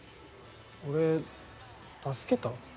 俺助けた？